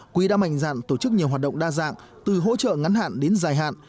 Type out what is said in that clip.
quỹ đã mạnh dạn tổ chức nhiều hoạt động đa dạng từ hỗ trợ ngắn hạn đến dài hạn